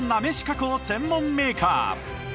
加工専門メーカー。